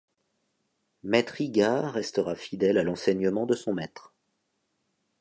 Maître Higa restera fidèle à l'enseignement de son maître.